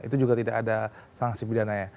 itu juga tidak ada sanksi pidananya